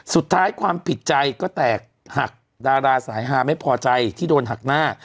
ความผิดใจก็แตกหักดาราสายฮาไม่พอใจที่โดนหักหน้า